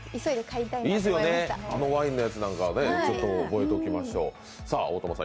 いいですよね、あのワインのやつなんかは覚えておきましょう。